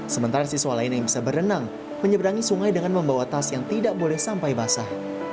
sementara siswa lain yang bisa berenang menyeberangi sungai dengan membawa tas yang tidak boleh sampai basah